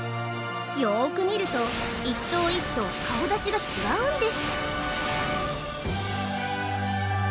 よく見ると一頭一頭顔だちが違うんです